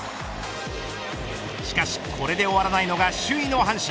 しかし、これで終わらないのが首位の阪神。